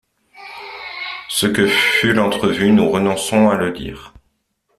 Ce que fut l’entrevue, nous renonçons à le dire.